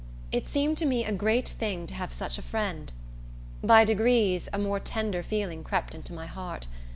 It seemed to me a great thing to have such a friend. By degrees, a more tender feeling crept into my heart.